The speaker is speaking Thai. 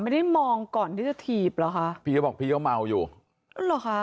ไม่ได้มองก่อนที่จะถีบเหรอค่ะพี่เขาบอกพี่เขาเมาอยู่หรอค่ะ